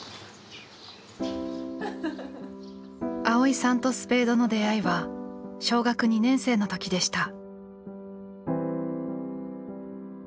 蒼依さんとスペードの出会いは小学２年生の時でした。